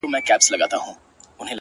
هينداره و هيندارې ته ولاړه ده حيرانه;